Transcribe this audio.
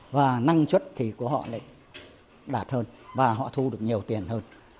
và năng suất thì của họ lại đạt hơn và họ thu được nhiều tiền hơn